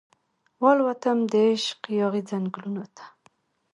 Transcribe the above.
والوتم دعشق یاغې ځنګلونو ته